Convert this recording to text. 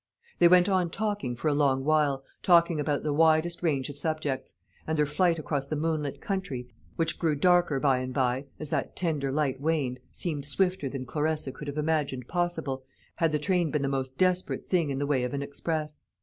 They went on talking for a long while, talking about the widest range of subjects; and their flight across the moonlit country, which grew darker by and by, as that tender light waned, seemed swifter than Clarissa could have imagined possible, had the train been the most desperate thing in the way of an express.